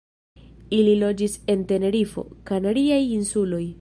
Ili loĝis en Tenerifo, Kanariaj insuloj.